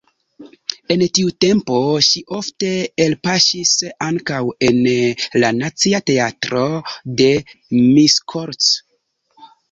En tiu tempo ŝi ofte elpaŝis ankaŭ en la Nacia Teatro de Miskolc.